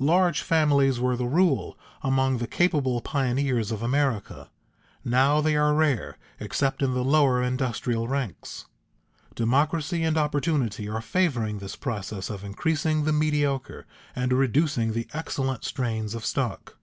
Large families were the rule among the capable pioneers of America; now they are rare except in the lower industrial ranks. Democracy and opportunity are favoring this process of increasing the mediocre and reducing the excellent strains of stock.